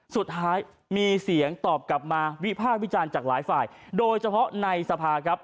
สุดท้ายมีเสียงตอบกลับมาวิภาควิจารณ์จากหลายฝ่ายโดยเฉพาะในสภาครับ